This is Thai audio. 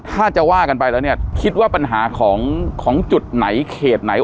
ถ้าจะว่ากันไปแล้วเนี่ยคิดว่าปัญหาของจุดไหนเขตไหน